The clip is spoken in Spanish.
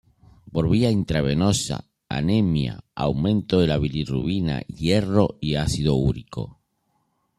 Por vía intravenosa anemia, aumento de la bilirrubina, hierro y ácido úrico.